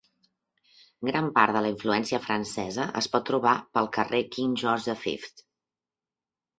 Gran part de la influència francesa es pot trobar pel carrer King George the Fifth.